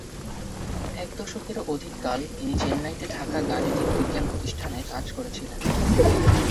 এক দশকেরও অধিক কাল তিনি চেন্নাইতে থাকা গাণিতিক বিজ্ঞান প্রতিষ্ঠানে কাজ করেছিলেন।